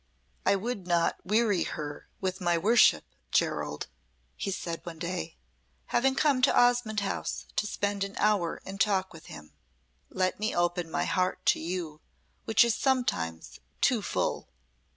"I would not weary her with my worship, Gerald," he said one day, having come to Osmonde House to spend an hour in talk with him. "Let me open my heart to you, which is sometimes too full."